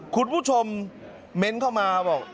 คุณผู้ชมเม้นเข้ามาบอก